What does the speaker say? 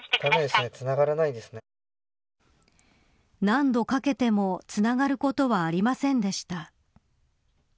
何度かけてもつながることはありませんでした。